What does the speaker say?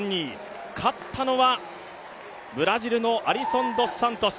勝ったのは、ブラジルのアリソン・ドス・サントス。